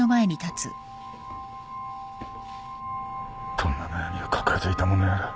どんな悩みを抱えていたものやら。